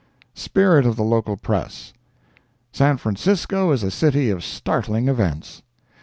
SPIRIT OF THE LOCAL PRESS San Francisco is a city of startling events.